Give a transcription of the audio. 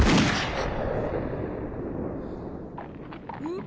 ん？